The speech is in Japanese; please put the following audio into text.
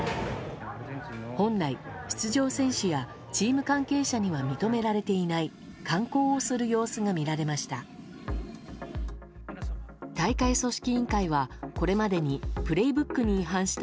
本来、出場選手やチーム関係者には認められていない観光をする様子が見られました。